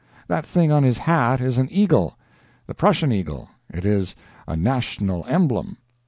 That thing on his hat is an eagle. The Prussian eagle it is a national emblem.